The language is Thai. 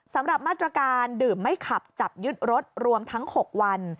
สำหรับมาตรการดื่มไม่ขับจับยึดรถรวมทั้ง๖วัน